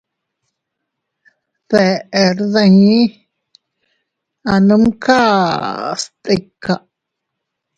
Deʼer dii, anumkas tika.